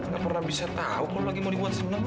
gak pernah bisa tahu kalau lagi mau dibuat sebenarnya